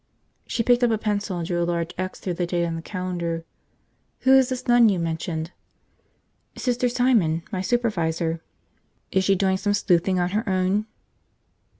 She picked up a pencil and drew a large X through the date on the calendar. "Who is this nun you mentioned?" "Sister Simon. My supervisor." "Is she doing some sleuthing on her own?"